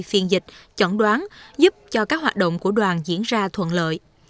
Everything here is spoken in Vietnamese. phiên dịch chẩn đoán giúp cho các hoạt động của đoàn diễn ra thuận lợi